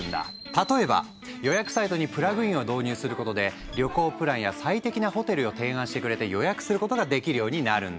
例えば予約サイトにプラグインを導入することで旅行プランや最適なホテルを提案してくれて予約することができるようになるんだ。